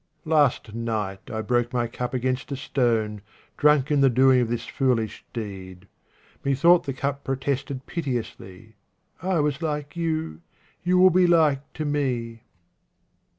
Last night I broke my cup against a stone, drunk in the doing of this foolish deed. Me thought the cup protested piteously, " I was like you ; you will be like to me."